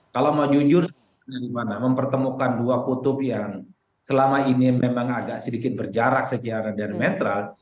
kalau mau jujur mempertemukan dua kutub yang selama ini memang agak sedikit berjarak sejarah dan mental